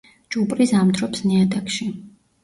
ჭუპრი ზამთრობს ნიადაგში.